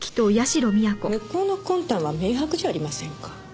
向こうの魂胆は明白じゃありませんか。